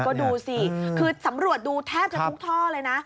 ก็ดูสิคือสำรวจดูแทบจะทุกท่อเลยนะ